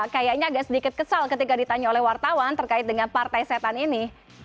kayaknya agak sedikit kesal ketika ditanya oleh wartawan terkait dengan partai setan ini